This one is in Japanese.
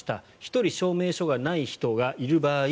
１人証明書がない人がいる場合